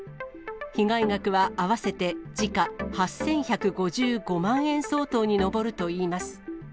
被害額は合わせて、時価８１５５万円相当に上るといいます。